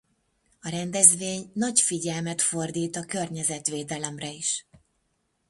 A rendezvény nagy figyelmet fordít a környezetvédelemre is.